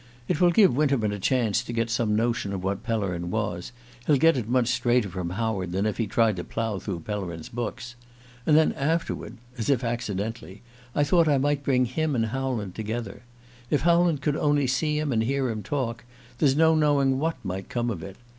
It will give Winterman a chance to get some notion of what Pellerin was: he'll get it much straighter from Howland than if he tried to plough through Pellerin's books. And then afterward as if accidentally I thought I might bring him and Howland together. If Howland could only see him and hear him talk, there's no knowing what might come of it.